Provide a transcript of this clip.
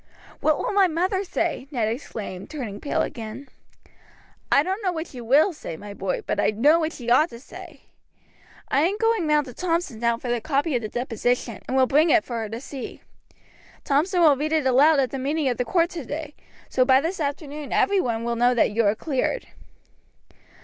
"What will my mother say?" Ned exclaimed, turning pale again. "I don't know what she will say, my lad, but I know what she ought to say. I am going round to Thompson's now for a copy of the deposition, and will bring it for her to see. Thompson will read it aloud at the meeting of the court today, so by this afternoon every one will know that you are cleared."